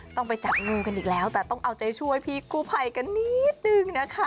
ต้องไปจับงูกันอีกแล้วแต่ต้องเอาใจช่วยพี่กู้ภัยกันนิดนึงนะคะ